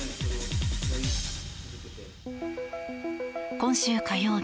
今週火曜日